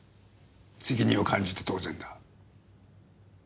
責任を感じて当然だ。